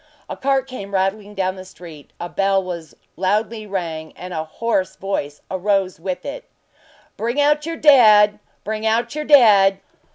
A cart came rattling along the street, a bell was loudly rang, and a hoarse voice arose with it: "Bring out your dead! Bring out your dead!"